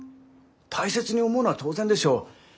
大切に思うのは当然でしょう。